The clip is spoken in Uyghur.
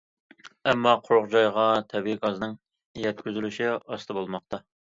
ئەمما قورۇ جايغا تەبىئىي گازنىڭ يەتكۈزۈلۈشى ئاستا بولماقتا.